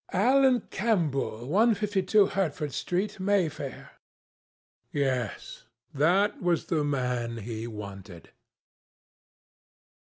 "Alan Campbell, 152, Hertford Street, Mayfair." Yes; that was the man he wanted.